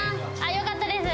よかったです。